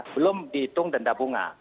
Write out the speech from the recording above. belum dihitung denda bunga